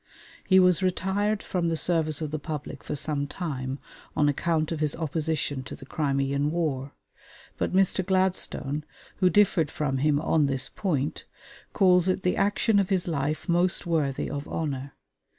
He was retired from the service of the public for some time on account of his opposition to the Crimean War; but Mr. Gladstone, who differed from him on this point, calls it the action of his life most worthy of honor.